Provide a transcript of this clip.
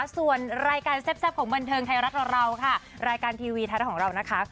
ส่วนรายการแซ่บของบันเทิงไทยรัฐเรารายการทีวีทัศน์ของเรา